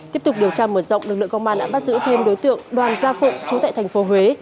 tiếp tục điều tra mở rộng lực lượng công an đã bắt giữ thêm đối tượng đoàn gia phụng chú tại thành phố huế